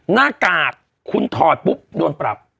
หน้ากากคุณถอดปุ๊บโดนปรับ